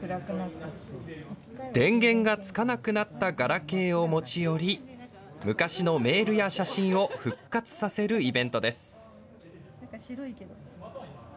電源がつかなくなったガラケーを持ち寄り、昔のメールや写真を復活させるイベントです。